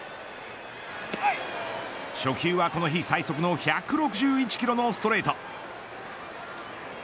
初球はこの日最速の１６１キロのストレート。